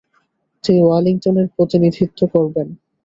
তিনি ওয়েলিংটনের প্রতিনিধিত্ব করেন।